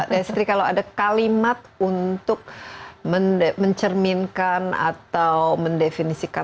destri kalau ada kalimat untuk mencerminkan atau mendefinisikan